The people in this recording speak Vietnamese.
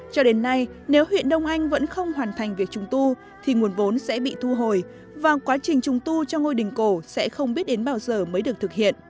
cho đến nay nếu huyện đông anh vẫn không hoàn thành việc trùng tu thì nguồn vốn sẽ bị thu hồi và quá trình trùng tu cho ngôi đình cổ sẽ không biết đến bao giờ mới được thực hiện